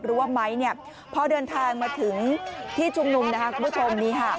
หรือว่าไม้พอเดินทางมาถึงที่ชุมนุมนะครับคุณผู้ชม